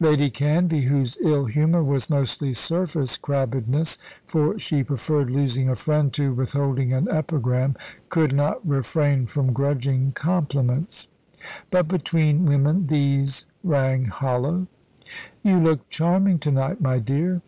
Lady Canvey, whose ill humour was mostly surface crabbedness, for she preferred losing a friend to withholding an epigram, could not refrain from grudging compliments. But between women these rang hollow. "You look charming to night, my dear."